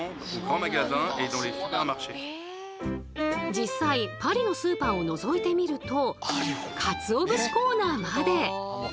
実際パリのスーパーをのぞいてみるとかつお節コーナーまで！